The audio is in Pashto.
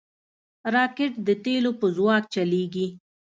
راکټ د تیلو په ځواک چلیږي